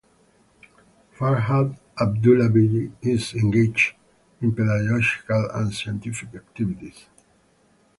Farhad Abdullayev is engaged in pedagogical and scientific activities.